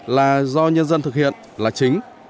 là do nhân dân thực hiện là chính